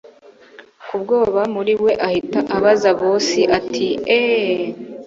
kubwoba muriwe ahita abaza boss atieeeehhhh